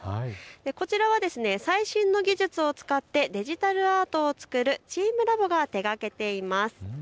こちらは最新の技術を使ってデジタルアートを作るチームラボが手がけています。